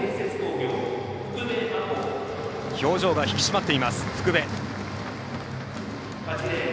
表情が引き締まっています、福部。